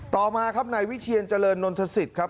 ต่อมาครับในวิทยาลเจริญนทศิษฐ์ครับ